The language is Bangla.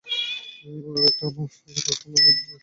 আর, একটা প্রশ্ন আমার আপনার কাছে।